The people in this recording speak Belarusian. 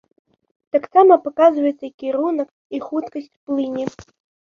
Таксама паказваецца кірунак і хуткасць плыні.